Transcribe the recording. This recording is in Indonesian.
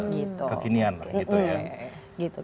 kekinian gitu ya